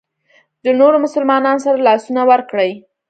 له نورو مسلمانانو سره لاسونه ورکړي.